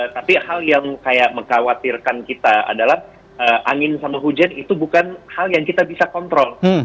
tapi hal yang kayak mengkhawatirkan kita adalah angin sama hujan itu bukan hal yang kita bisa kontrol